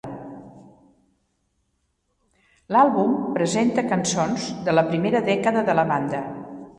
L"àlbum presenta cançons de la primera dècada de la banda.